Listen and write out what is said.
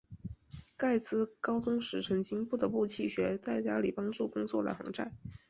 盖茨高中时曾经不得不弃学在家里帮助工作来还债。